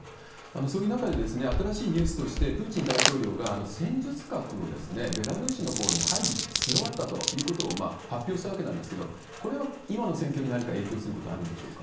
そういう中で、新しいニュースとして、プーチン大統領が戦術核をベラルーシのほうに配備し終わったということを発表したわけなんですけれども、これは今の戦況に何か影響することあるんでしょうか？